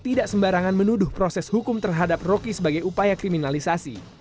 tidak sembarangan menuduh proses hukum terhadap roky sebagai upaya kriminalisasi